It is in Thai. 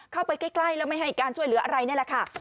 เข้าไปใกล้แล้วไม่ให้การช่วยเหลืออะไรนี่แหละค่ะ